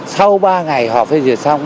sau ba ngày họ phê duyệt xong